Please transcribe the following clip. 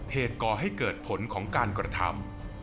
ก่อให้เกิดผลของการกระทำ